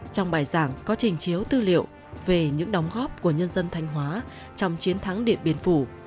trong bài giảng có trình chiếu tư liệu về những đóng góp của nhân dân thanh hóa trong chiến thắng điện biên phủ